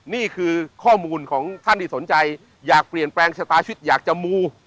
นี่คือข้อมูลของท่านที่สนใจอยากเปลี่ยนแปลงชะตาชีวิตอยากจะมู